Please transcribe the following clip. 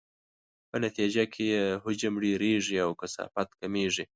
په نتیجې کې یې حجم ډیریږي او کثافت کمیږي.